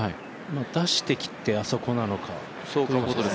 出してきてあそこなのか。